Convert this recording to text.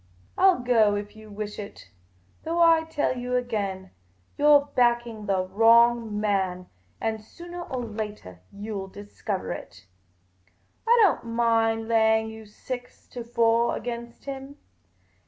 I '11 go if you wish it ; though I tell you again, you 're backing the wrong man, and soonah or latah you '11 discover it. I don't mind laying you six to four against him.